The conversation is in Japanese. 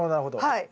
はい。